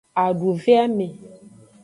Aduveame.